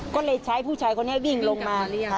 ก็เลยใช้ผู้ชายคนนี้วิ่งลงมา